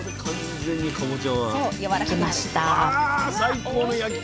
できました！